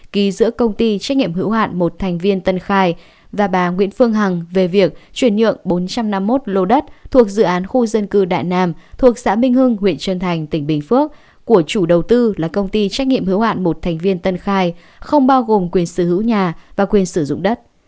ký giữa công ty trách nhiệm hữu hạn một thành viên tân khai và bà nguyễn phương hằng về việc chuyển nhượng bốn trăm năm mươi một lô đất thuộc dự án khu dân cư đại nam thuộc xã minh hưng huyện trân thành tỉnh bình phước của chủ đầu tư là công ty trách nhiệm hữu hạn một thành viên tân khai không bao gồm quyền sở hữu nhà và quyền sử dụng đất